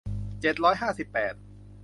เจ็ดร้อยห้าสิบแปด